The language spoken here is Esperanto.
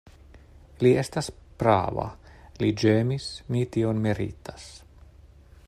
Li estas prava, li ĝemis; mi tion meritas.